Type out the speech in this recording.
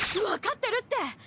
わかってるって！